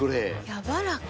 やわらか。